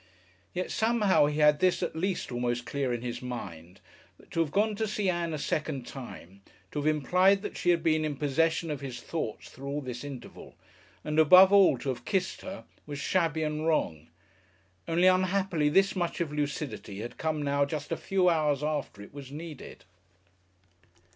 Yet somehow he had this at least almost clear in his mind, that to have gone to see Ann a second time, to have implied that she had been in possession of his thoughts through all this interval, and, above all, to have kissed her, was shabby and wrong. Only unhappily this much of lucidity had come now just a few hours after it was needed.